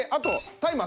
タイマー？